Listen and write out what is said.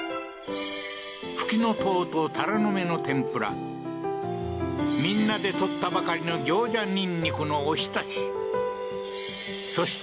フキノトウとタラの芽の天ぷら、みんなで採ったばかりの行者ニンニクのおひたし。